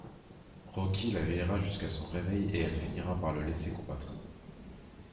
Rocky la veillera jusqu'à son réveil et elle finira par le laisser combattre.